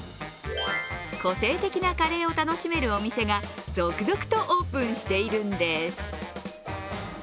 個性的なカレーを楽しめるお店が続々とオープンしているんです。